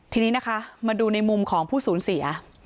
ทีนี้นะคะมาดูในมุมของผู้สูญเสีย